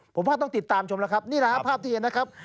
ผมว่าต้องติดตามชมแล้วครับนี่แหละครับภาพที่เห็นนะครับ